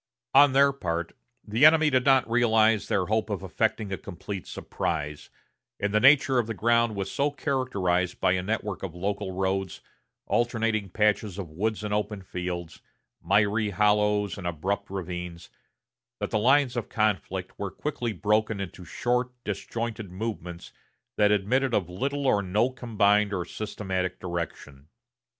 On their part, the enemy did not realize their hope of effecting a complete surprise, and the nature of the ground was so characterized by a network of local roads, alternating patches of woods and open fields, miry hollows and abrupt ravines, that the lines of conflict were quickly broken into short, disjointed movements that admitted of little or no combined or systematic direction.